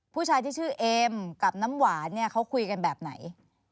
ผู้ชายที่ชื่อเอ็มกับน้ำหวานเนี่ยเขาคุยกันแบบไหน